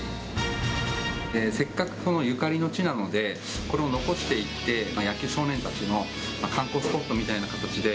せっかくこのゆかりの地なので、これを残していって、野球少年たちの観光スポットみたいな形で、